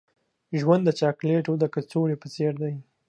ژوند د چاکلیټو د کڅوړې په څیر دی.